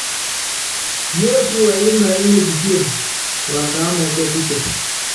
Yótí wɛyí mɛlɛ́ nekupíene, wakaáma ɔ́tɔ́pítɛ.